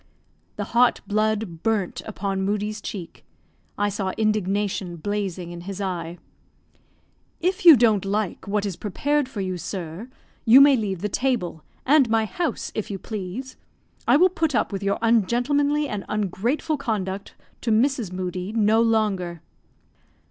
The hot blood burnt upon Moodie's cheek. I saw indignation blazing in his eye. "If you don't like what is prepared for you, sir, you may leave the table, and my house, if you please. I will put up with your ungentlemanly and ungrateful conduct to Mrs. Moodie no longer."